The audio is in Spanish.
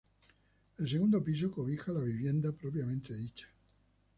El segundo piso cobija la vivienda propiamente dicha.